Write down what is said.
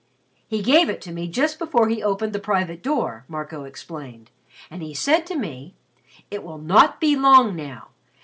"He gave it to me just before he opened the private door," Marco explained. "And he said to me, 'It will not be long now.